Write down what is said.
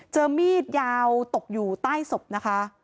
มีดยาวตกอยู่ใต้ศพนะคะ